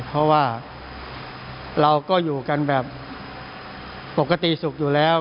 เพราะว่าเราก็อยู่กันแบบปกติสุขอยู่แล้ว